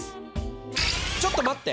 ちょっと待って！